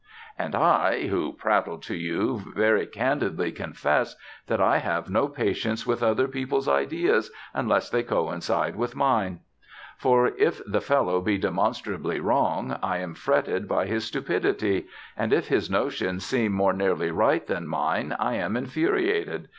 And I, who prattle to you, very candidly confess that I have no patience with other people's ideas unless they coincide with mine: for if the fellow be demonstrably wrong I am fretted by his stupidity, and if his notion seem more nearly right than mine I am infuriated....